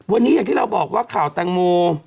วันนี้อย่างที่เราบอกว่าข่าวแตงโม